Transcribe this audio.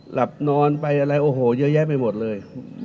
หลับนอนไปอะไรโอ้โหเยอะแยะไปหมดเลย